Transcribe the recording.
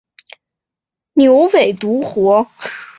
牛尾独活